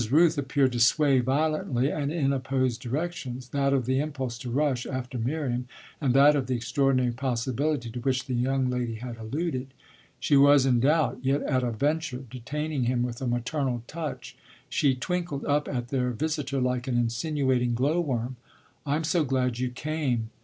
Rooth appeared to sway violently and in opposed directions: that of the impulse to rush after Miriam and that of the extraordinary possibility to which the young lady had alluded. She was in doubt, yet at a venture, detaining him with a maternal touch, she twinkled up at their visitor like an insinuating glow worm. "I'm so glad you came."